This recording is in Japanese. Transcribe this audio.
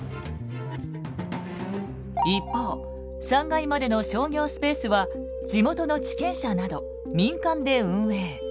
一方３階までの商業スペースは地元の地権者など民間で運営。